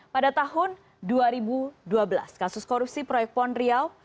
pada tahun dua ribu dua belas kasus korupsi proyek pon riau